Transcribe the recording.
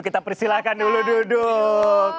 kita persilahkan dulu duduk